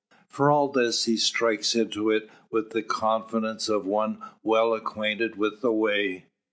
For all this, he strikes into it with the confidence of one well acquainted with the way.